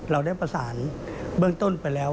เราได้ประสานเบื้องต้นไปแล้ว